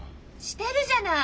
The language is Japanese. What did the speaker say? してるじゃない！